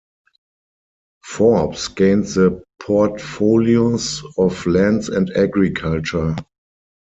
Forbes gained the portfolios of Lands and Agriculture.